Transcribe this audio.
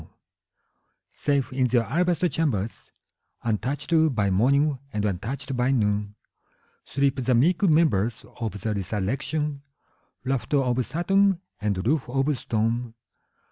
IV. Safe in their alabaster chambers, Untouched by morning and untouched by noon, Sleep the meek members of the resurrection, Rafter of satin, and roof of stone.